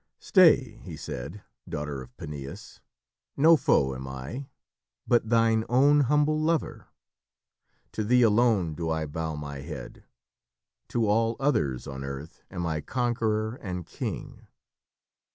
"Stay!" he said, "daughter of Peneus. No foe am I, but thine own humble lover. To thee alone do I bow my head. To all others on earth am I conqueror and king."